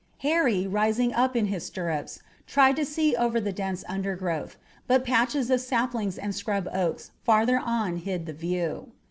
Harry, rising up in his stirrups, tried to see over the dense undergrowth, but patches of saplings and scrub oaks farther on hid the view.